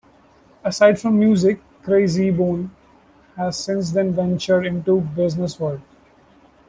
Aside from music, Krayzie Bone has since then ventured into the business world.